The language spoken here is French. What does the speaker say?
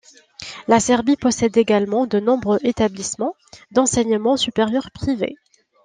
La Serbie possède également de nombreux établissements d'enseignement supérieur privés.